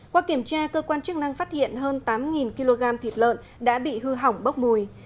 qua kiểm tra cơ quan chức năng phát hiện hơn tám kg thịt lợn đã bị hư hỏng bốc mùi